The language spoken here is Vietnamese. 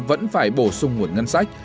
vẫn phải bổ sung nguồn ngân sách